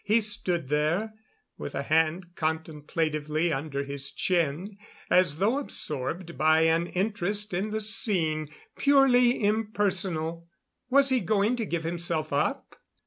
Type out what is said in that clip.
He stood there, with a hand contemplatively under his chin, as though absorbed by an interest in the scene purely impersonal. Was he going to give himself up?